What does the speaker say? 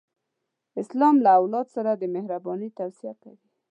اسلام له اولاد سره د مهرباني توصیه کوي.